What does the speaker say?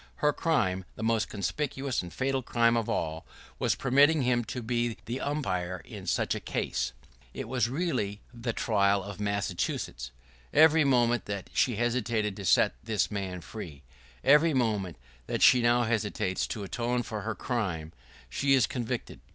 Her crime, the most conspicuous and fatal crime of all, was permitting him to be the umpire in such a case. It was really the trial of Massachusetts. Every moment that she hesitated to set this man free — every moment that she now hesitates to atone for her crime, she is convicted.